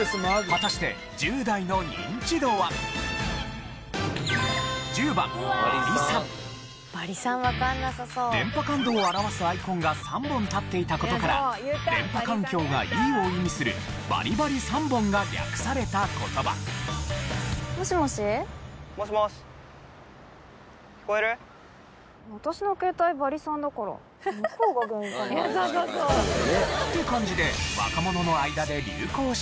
果たして電波感度を表すアイコンが３本立っていた事から電波環境がいいを意味するバリバリ３本が略された言葉。という感じで若者の間で流行した言葉。